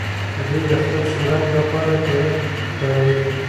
دوی د خپل شهرت لپاره تاريخ کاروي.